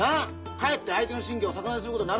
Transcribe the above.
かえって相手の神経を逆なですることになるんだよ。